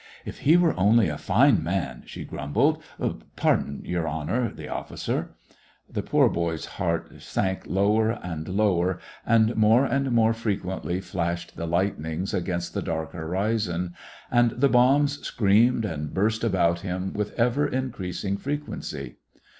" If he were only a fine man," she grumbled, —" Pardon, Your Honor the officer." The poor boy's heart sank lower and lower, and more and more frequently flashed the lightnings against the dark horizon, and the bombs screamed and burst about him with ever increasing fre quency.